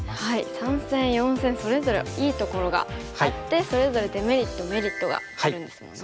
３線４線それぞれいいところがあってそれぞれデメリットメリットがあるんですもんね。